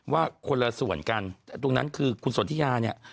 ว่าคนละส่วนกันแต่ตรงนั้นคือคุณสนทิยาเนี่ย